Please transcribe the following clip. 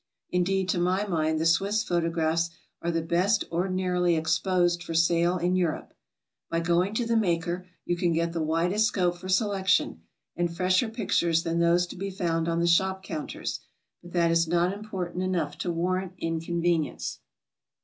Indeed, to my mind, the Swiss photographs are the bes*! ordinarily exposed for sale in Europe. By going to the maker you can get the widest scope for selection, and fresher pictures than those to be found on the shop counters, but that is not important enough to warrant inconvenience.